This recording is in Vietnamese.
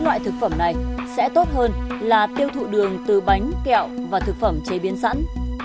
loại thực phẩm này sẽ tốt hơn là tiêu thụ đường từ bánh kẹo và thực phẩm chế biến sẵn